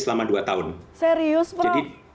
selama dua tahun serius jadi